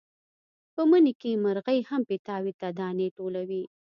په مني کې مرغۍ هم پیتاوي ته دانې ټولوي.